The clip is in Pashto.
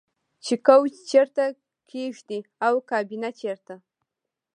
چې کوچ چیرته کیږدئ او کابینه چیرته